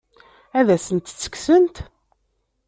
Ad asent-tt-kksent?